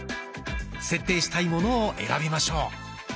設定したいものを選びましょう。